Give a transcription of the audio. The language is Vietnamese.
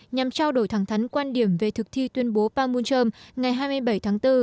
nhằm trao đổi thẳng thắn quan điểm về thực thi tuyên bố pangmunchom ngày hai mươi bảy tháng bốn